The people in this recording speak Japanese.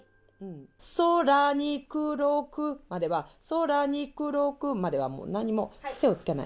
「空にくろく」までは「空にくろく」まではもう何にも癖をつけない。